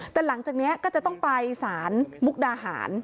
แต่หลังจากนี้ก็จะต้องไปสารมุกดาหาร